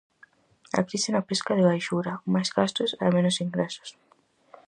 A crise na pesca de baixura: máis gastos e menos ingresos.